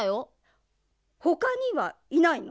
ほかにはいないの？